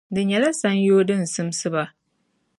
Di nyɛla sanyoo din simsi ba.